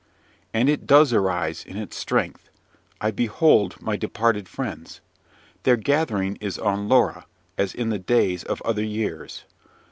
"And it does arise in its strength! I behold my departed friends. Their gathering is on Lora, as in the days of other years.